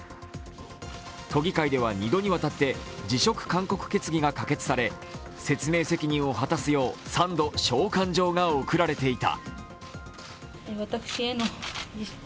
都議会では２度にわたって辞職勧告決議が言い渡され、説明責任を果たすよう３度召喚状が送られていた。